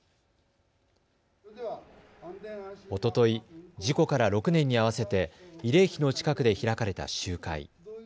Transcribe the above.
おととい、事故から６年に合わせて慰霊碑の近くで開かれた集会。